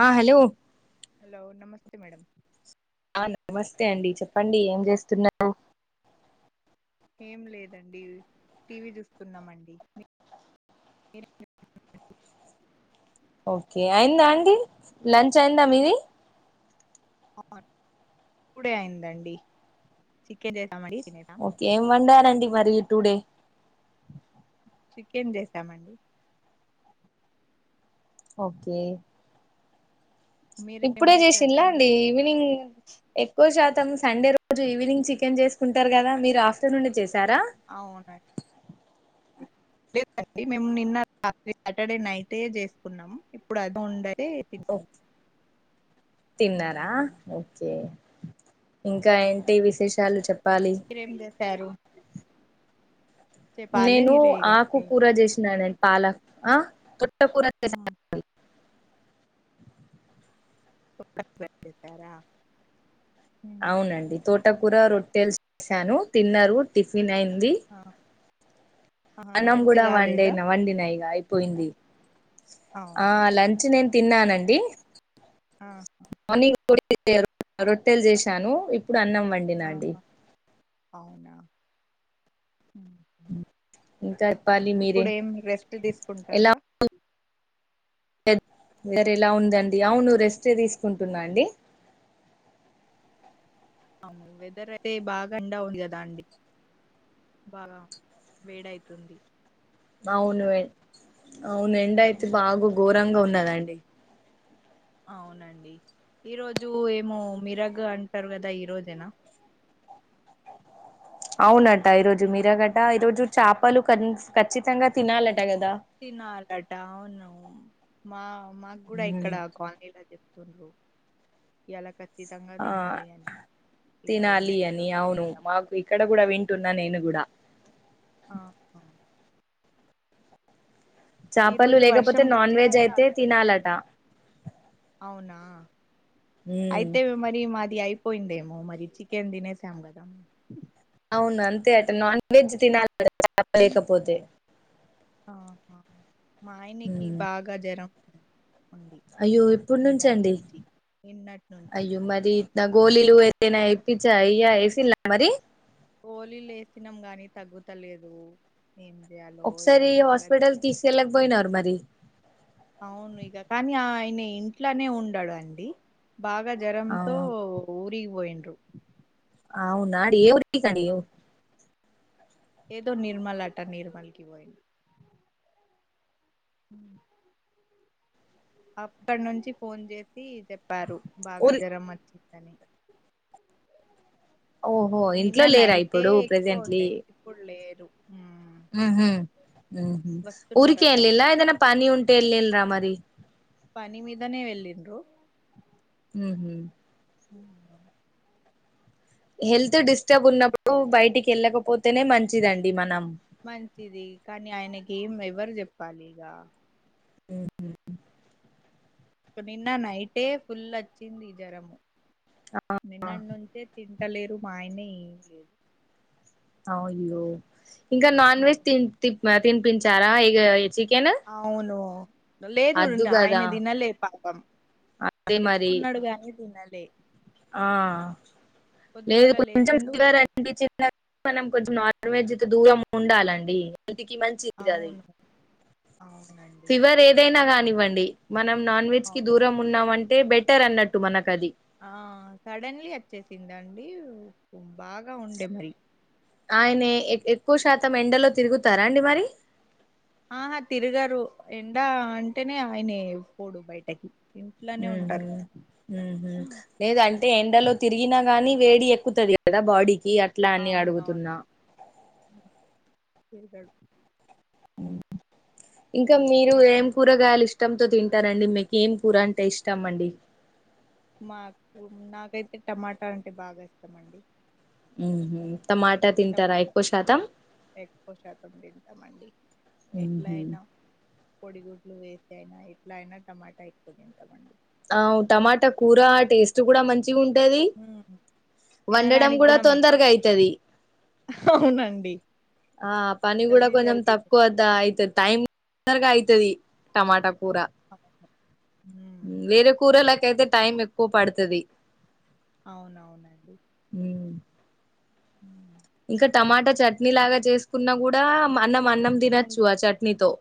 ఆ hello hello నమస్తే మేడ ఆ నమస్తే అండి చెప్పండి ఏం చేస్తున్నారు ఏం లేదండి టీవీ చూస్తున్నామండి ఓకే అయిందా అండి లంచ్ అయిందా మీది ఇూడే అయిందండి చిక్కే చేసామరి ఓకే ఏంమంటాలండి మరిగి టూడే చికెన్ చేసామండి ఓకే మీరేం ఇప్పుడే చేసిందిలా చేసారండి అండి ఈవినింగ్ ఎక్కువ శాతం సండే రోజు ఈవినింగ్ చికెన్ చేసుకుంటారు కదా మీరు ఆఫ్టర్నూన్ చేశారా అవునా లేదండి మేము నిన్న రాత్రి సాటర్డే నైట్ చేసుకున్నాము ఇప్పుడు అది ఉ ఓ తస తిన్నారా ఓకే ఇంకా ఏంటి విశేషాలు చెప్పాలి మీరేం చేసారు చెప్పాలి నేను మీరే ఇగ ఆకు కూర చేసినానడి పాలక్ ఆ ప సార అవునండి తోటకూర రొట్టెలు చేసాను తిన్నారు టిఫిన్ అయింది ఆ అన్నం కూడా వడి అయినా వండిన ఇక అయిపోయింది ఆ అవునా లంచ్ నేను తిన్నానండి ఆ మార్నింగ్ రొట్టెలు చేశాను ఇప్పుడు అన్నం వండినండి ఆహా అవునా ఇంకా చెప్పాలి మీరే ఇప్పుడు ఏం రెస్ట్ తీసుకుంటన్రా వర ఎలా ఉందండి అవునువు రెస్ట్ తీసుకుంటున్నాండి అవును వెదర్ అయితే బాగా ఎంండవుంది కదా అండి బాగా వేడైతుంది అవును అవును ఎండ అయితే బాగా ఘోరంగా ఉన్నదండి అవునండి ఈరోజు ఏమో మిరగ్ అంటారు కదా ఈ రోజేనా అవునట ఈరోజు మీరాగట ఈరోజు చేపలు ఖచ్చితంగా తినాలంట తినాలట అవును మా మాకు కూడా ఉమ్, ఇక్కడ కాలనీలా చె ఎలా ఖచ్చితంగా ఆ తినాలి అని ఇక తినాలి ఏమైతదో అని అవును సాయంత్రం మాకు వరకు ఇక్కడ కూడా వింటున్నా నేను కూడా ఆహా ఈ చేపలు రోజు వర్షం లేకపోతే నాన్ వెజ్ ఖచ్చితంగా అయితే వస్తదా తినాలట అవునా అయితే వి మరి మా ఇది అయిపోయిందేమో మరి చికెన్ తినేసాం కదా అవును అంతే అట నాన్ వెజ్ తినాలిపలేకపోతే ఆహా మాయనకి బాగా జ్వరం ఉంది అయ్యో ఇప్పుడు నిన్నటి నుంచండి నుంచి నిన్నటి నుంచి అయ్యో మరి ఇ నా గోళలు ఏదైనా పిచ్చా అయ్యా ఏస మరి పోలీ లే వేసినాం గాని తగ్గుతలేదు ఏం చేయాలో ఒకసారి ఏమో బాగా జ్వరం. హాస్పిటల్ తీసుకెళ్ళక పోయినారు మరి అవును ఈక కానీ ఆ న ఇంట్లోనే ఉండు అండి బాగా ఆ జ్వరంతో ఊరిగిపోయిడు అవు నాడి ఎవ్రకాడి ఏద నిర్మలా అట్ట నిర్మల్ క వయి హ అక్కడ నుంచి ఫోన్ చేసి చెప్పారు బాగా ఊరి జ్వరం వచ్చి ఓహో నిన్న ఇంట్లో లేరా నైటే ఇప్పుడు ఎక్కువ ప్రజెంట్లీ ఉండే ఇప్పుడు లేరు ఉమ్. ఉ హ ఊరికే వస్తున్నారట అల్లిల ఇప్పుడు ఏదనా పని ఉంటే ఎల్ల్రా మరి పని మీదనే వెళ్ళండు హ ఉ హెల్త్ డిస్టర్బ్ ఉన్నప్పుడు బయటికి వెళ్ళకపోతేనే మంచిదండి మనం మంచిది కానీ ఆయనకి ఏం ఎవరు చెప్పాలి ఇగ [unintelligible] నిన్న నైటే ఫుల్ వచ్చింది జ్వరము నిన్నటి నుంచే త ఇట్టలేరు మా ఆయనే అయ్యో ఇంకా నాన్ వెజ్ తినిపించారా ఇ అవును లేదు అద్దు ఆయన కదా తినలే పాపం అదే మరి తెచ్చుకున్నాడు గాని తినాల ఆ లేదు పొద్దుగాల కొంచెం లేసిండు సివర్ అనిపించింది మనం కొంచెం నాన్ వెెజ్ దూరం ఉండాలండి కి మంచిది అది అవును అవునండి ఫివర్ ఏదైనా కానివ్వండి మనం నాన్ వెజ్ కి దూరం ఉన్నామంటే బెటర్ అన్నట్టు మనకు అది ఆ సడన్లీ వచ్చేసిందండి బాగా ఉండే మరి ఆయన ఎక్కువ శాతం ఎండలో తిరుగుతారా అండి మరి ఆహా తిరగారు ఎండా అంటేనే ఆయన పోడు బయటకి ఇంట్లోనే ఉంటారు లేదు అంటే ఎండలో తిరిగినా గానీ వేడి ఎక్కుతుది కదా బాడీకి అట్లా అని అవునవును అడుగుతున్నా [unintelligible] ఇంకా మీరు ఇంకా ఏం కూరగాయలు ఇష్టంతో తింటారండి మీకు ఏం కూర అంటే ఇష్టాం అండి మాకు నాకైతే టమాటా అంటే బాగా ఇష్టమ అండి ఉ టమాటా ఎక్కువ శాతం తింటామండి ఎట్లా ఉహు అయినా పొడిగుడ్లు వేసి అయినా ఎట్లా అయినా టమాటా అయిక్పో తింటామండి ఆ టమాటా కూరా టేస్ట్ కూడా మంచి మంచి ఉంటది ఉమ్ వండడం తినడానికి కూడా మంచి తొందరగా అవుతుది అవునండి ఆ పని కూడా జల్దీ కొంచం జల్దీ తక్కువ అదా అయితే టైం తొందరగా అవుతది టమాటా కూర అవును ఉమ్, వేరే కూరలకయితే టైం ఎక్కువ పడుతుది అవునవునండి [unintelligible] ఇంకా టమాటా చట్నీ లాగా చేసుకున్నా కూడా మన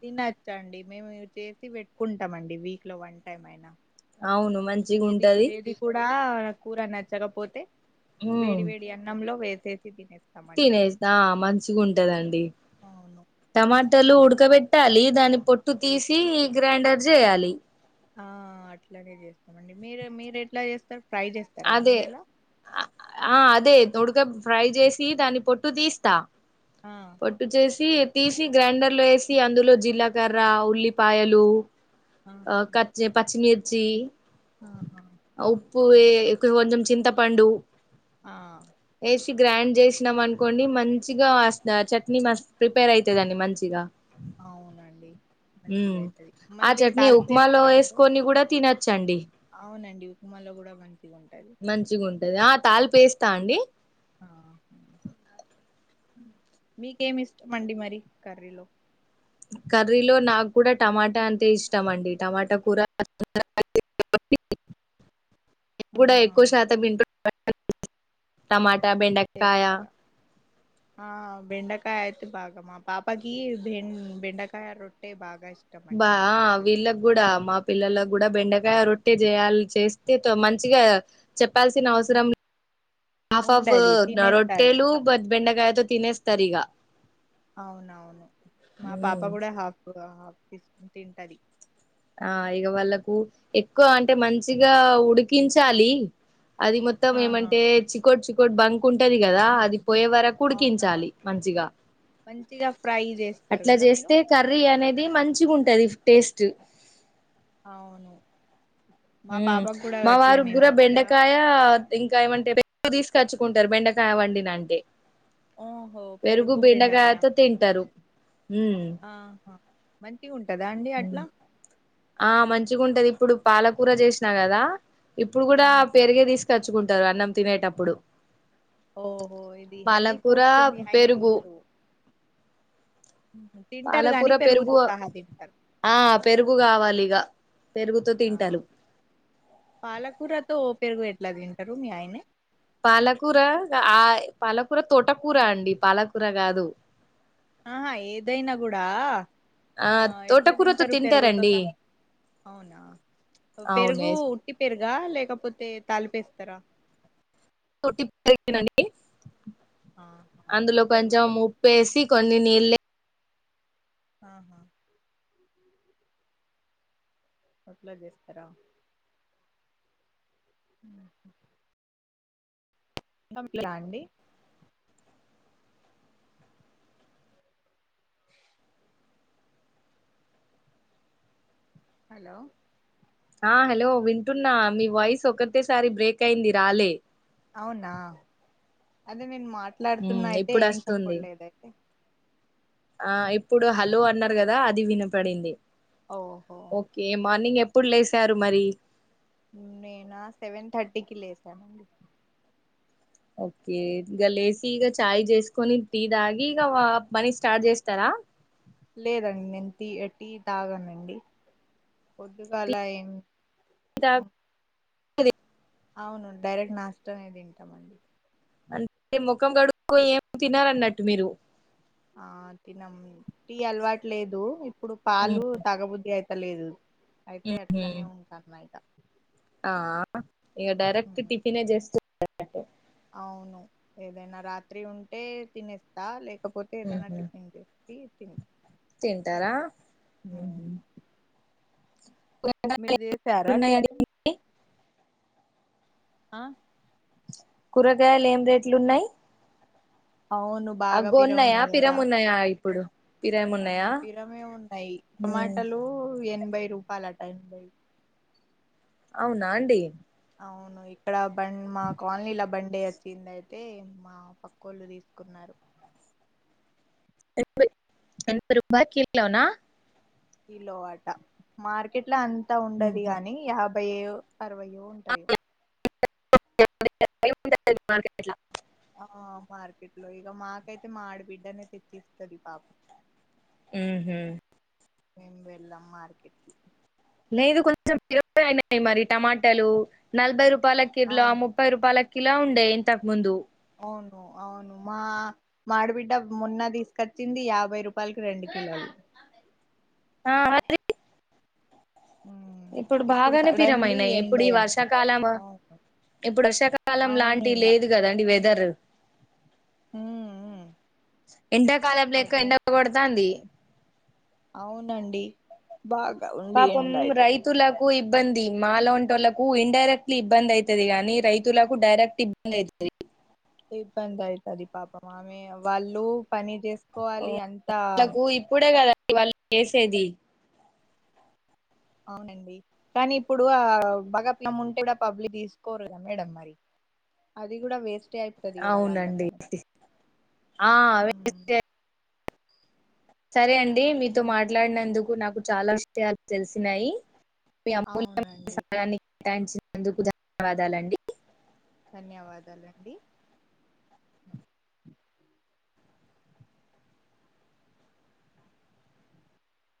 తినచ్చండి మేము చేసి పెట్టుకుంటామ అండి వీక్ లో వన్ టైమ్ అయినా అవును మంచిగా ఏది ఉంటది ఏది కూడా కూర నచ్చకపోతే వేడి వేడి అన్నంలో వేసేసి తినేసి తినేసా మంచిగా ఉంటదండి అవును టమాటలు ఆ ఉడకబెట్టాలి దాని పొట్టు తీసి గ్రైండర్ చేయాలి ఆ అట్లాగే చేస్తామండి మీరు మీరు ఎట్లా చేస్తారు ఫ్రై చేస్తారా అదే నూనెలో ఆ అదే ఉడక ఫ్రై చేసి దాన్ని పొట్టు తీస్తా ఆ పొట్టు చేసి తీసి గ్రైండర్ లో వేసి అందులో జీలకర్ర ఉల్లిపాయలు ఆ, కా పాచిమిర్చి ఆహా పవ కొంచెం చింతపండు ఆ వేసి గ్రైండ్ చేసినాం అనుకోండి మంచిగా చట్నీ మ ప్రిపేర్ అవుతుందంని మంచిగా అవునండి మంచిగా అవుతుది మళ్ళీ న ఉప్మాలో తాలిపేస్తారా మీరు వేసుకొని కూడా తినొచ్చండి అవునండి ఉప్మా లో కూడా మంచిగా ఉంటది వాళ్ళు పెస్ట అండి ఆ మీకేమి ఇష్టం అండి మరి కర్రీలో కర్రీలో నాకు కూడా టమాటా అంటే ఇష్టం అండి టమాటా కూర కూడా ఆహా ఎక్కువ శాతం [unintelligible] ట బెండకయ చేస్తారా ఆ బెండకాయ అయితే బాగా మా పాపకి బె బెండకాయ రొట్టె బాగ బా వీళ్ళకి గుడా మా పిల్లలకు కూడా బెండకాయ రొట్టే చేయాలి చేస్తే మంచిగా చెప్పాల్సిన అవసరం హాఫ్ హాఫ్ ఉండది తినేస్తారు రొట్టెలు బ బెండకాయతో తినే తరిగా అవునవును మా పాప కూడా హాఫ్ హాఫ్ తీసుకుని తింటది ఆ ఇక వాళ్ళకు ఎక్కువ అంటే మంచిగా ఉడికించాలి అది మొత్తం ఆహా ఏమంటే చికోటి చికోటి బంక్ ఉంటది కదా అది పోయే వరకు ఉడికించాలి అవునవును మంచిగా మంచిగా ఫ్రై చేస్తారు అట్లా కదా మీరు చేస్తే కర్రీ అనేది మంచిగా ఉంటది టేస్ట్ అవును మా పాపకు కూడా మా వారు అట్లనే గూడా మంచిగా బెండకాయ ఇంకా ఏమంటే [unintelligible] [unintelligible] బెండకాయ వండిన అంటే ఓహో పెరుగు బెండకాయ బెండకాయతో తింటారు హ్మ్మ్ ఆహా మంచిగా ఉంటదా అండి అట్లా ఆ మంచిగా ఉంటది ఇప్పుడు పాలకూర చేసినా కదా ఇప్పుడు కూడా ఆహా పేరుగే తీసుకచ్చుకుంటారు అన్నం తినేటప్పుడు ఓహో ఇది హల్ది పాలకూర ఫూడ్ తో మీ ఆయనే పెరుగు తినరు తింటారు గాని పాలకూర పెరుగు పెరుగుతో సహా తింటారు ఆ పెరుగు కావాలి ఇగ పెరుగుతో ఆ తింటాలు పాలకూరతో ఓ పెరుగు ఎట్లా తింటారు మీ ఆయన పాలకూర ఆ పాలకూర తోటకూర అండి పాలకూర కాదు ఆహా ఏదైనా కూడా ఆ ఎట్లా తోటకూరతో తింటారు పెరుగుతో తింటారండి స అవునా పెరుగు అవునే ఉట్టి పెరుగు లేకపోతే తలిపేస్తారా [unintelligible] అండి ఆహా అందులో ఉట్టి పెరుగుతో కొంచెం ఉప్పేసి కొన్ని నీళ్లే ఆహా అట్లా చేస్తారా ఆ [unintelligible] అండి హలో ఆ హలో వింటున్నా మీ వాయిస్ ఒకటెసారి బ్రేక్ అయింది రాలే అవునా అదే నేను ఉమ్ మాట్లాడుతున్నా అయితే ఇప్పుడు ఏం వస్తుంది చెప్పట్లేదు అయితే ఆ ఇప్పుడు హలో అన్నారు కదా అది వినపడింది ఓహో ఓకే మార్నింగ్ అ ఏప్పుడు లేసారు మరి నేనా సెవెన్ థర్టీకి లేసానండి ఓకే ఇక లేచి ఇక చాయ్ చేసుకొని టీ తాగి ఇగ పనీ స్టార్ట్ చేస్తారా [inaudible] లేదండి నేను టి టి తాగానండి పొద్దుగాల ఏం [unintelligible] అవును డైరెక్ట్ నాష్ట నే తింటామ అండి అంటే ముఖం కడుక్కొ ఏం తినారన్నట్టు మీరు ఆ తినం టీ అలవాటు లేదు ఇప్పుడు ఉమ్, పాలు తగబుద్ధి అయిత లేదు అయితే ఉమ్హు. అట్లనే ఉంటన్నాయి ఆ ఇగ డైరెక్ట్ టిఫినే చేస్తునానండి అవును ఏదైనా రాత్రి ఉంటే తినేస్తా లేక లేకపోతే ఏదైనా ఉమ్హు. టిఫన్ చేసి తిన్ తింటారా కూరగాయలు మీరుజేసార టిఫిన్ ఉన్నాయండి ఆ కూరగాయలు ఏం రేట్లున్నాయి అవును బాగా పిరము అగగోన్నాయా ఉన్నాయి కదా పిరమ్ ఉన్నాయా ఇప్పుడు పిరం ఆ ఉన్నాయా పిరమే ఉన్నాయి ఉమ్. టమాటలు ఎన్ భై రూపాలటా ఎన్బై అవునా అండి అవును ఇక్కడ బం మా కాలనీల బండే వచ్చిందయితే మా పక్కోళ్ళు తీసుకున్నారు ఏనబై ఎనబై రూపాలకు కిలోనా కిలో వట మార్కెట్ లో అంతా ఉండది ఉమ్హు. కాగాని యాభై అరవై ఉంటాయి [unintelligible] మార్కెట్ లా ఆ మార్కెట్ లో ఇగ మాకైతే మా ఆడబిడ్డనే తెచ్చిస్తది పాపం ఉహు మేం వెళ్ళాం మార్కెట్కిి లేదు కొంచెం పిరమే అయినాయి మరి టమాటాలు నలభై రూ పాల కిలో అవును ముప్పై రూపాలకిలో ఉండే ఇంతకు ముందు అవును అవును మా మాడిబిడ్డ మొన్న తీసుకొచ్చింది యాభై రూపాయలకి రెండు కిలోలు [unintelligible] ఆ మరి ఉమ్ ఇప్పుడు బాగానే సడన్లీ పిరమయినాయి ఇప్పుడు ఎనభై ఈ అంటారు వర్షాకాలము అవును ఇప్పుడు వర్షాకాలం అవును లాంటి ఇగ లేదు కదండి వెదర్ ఉమ్ ఉమ్ ఎడాకాలపు లెక్క ఎండ అట్లనే కొడతాంది అవునండి బాగా ఉంది ఎండా అయితే కు ఇబ్బంది మాలంటోళ్లకు ఇన్డైరెక్ట్లీ ఇబ్బంది అయితది గానీ రైతులకు డైరెక్ట్ ఇబ్బంది అయితది ఇబ్బంది అయితది పాపం ఆమె వాళ్ళు పని చేసుకోవాలి అంతా ఇగ వాళ్ళు చేసేది అవునండి కానీ ఇప్పుడు ఆ బగప్ల ముంటే కూడా పబ్లి తీసుకోరుగా మేడం మరి అది కూడా వేస్ అవునండి అది ఆ ఉమ్, వేస్టే సరే అండి మీతో ఉమ్, మాట్లాడినందుకు నాకు చాలా విషయాలు తెలిసినాయి మీ అమూల్యమ అవునండి సమయాన్ని కేటాయించినందుకు ధన్యవాదాలండి ధన్యవాదాలండి